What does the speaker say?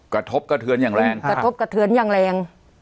กระทบกระเทือนอย่างแรงกระทบกระเทือนอย่างแรง